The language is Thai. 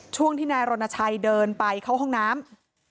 ช่วงที่นายรณชัยเดินไปเข้าห้องน้ำ